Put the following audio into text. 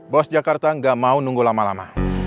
bos jakarta nggak mau nunggu lama lama